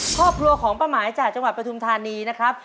ครอบครัวของป้าหมายจากจังหวัดปฐุมธานีนะครับ